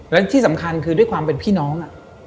และที่สำคัญคือด้วยความเป็นพี่น้อง